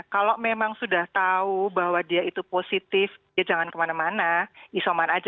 kalau memang sudah tahu bahwa dia itu positif ya jangan kemana mana isoman aja